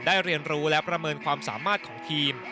เรียนรู้และประเมินความสามารถของทีม